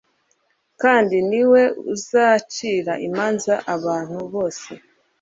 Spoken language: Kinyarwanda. kandi ni we uzacira imanza abantu bose.